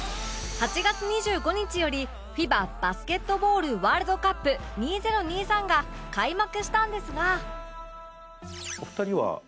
８月２５日より ＦＩＢＡ バスケットボールワールドカップ２０２３が開幕したんですが